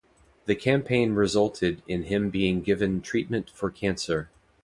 The campaign resulted in him being given treatment for cancer.